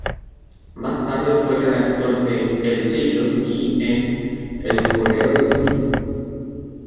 Más tarde fue redactor de "El Siglo" y en "El Correo del Domingo".